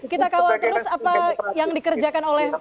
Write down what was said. kita kawal terus apa yang dikerjakan oleh